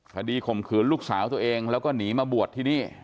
ข่มขืนลูกสาวตัวเองแล้วก็หนีมาบวชที่นี่